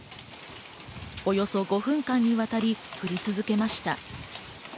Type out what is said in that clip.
およそ５分間にわたり降り続けました。